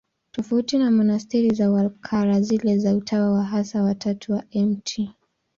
Tofauti na monasteri za Waklara, zile za Utawa Hasa wa Tatu wa Mt.